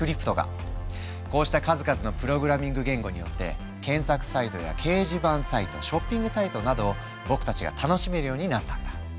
こうした数々のプログラミング言語によって検索サイトや掲示板サイトショッピングサイトなどを僕たちが楽しめるようになったんだ。